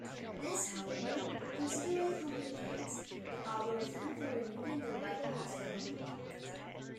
This, however, considerably complicates the algorithm for removing the rightmost element.